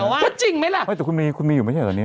ว่าจริงไหมล่ะแต่คุณมีคุณมีอยู่ไม่ใช่เหรอนี้